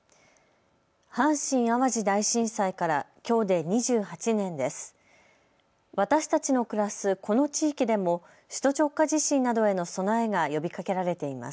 阪神・淡路大震災からきょうで２８年です。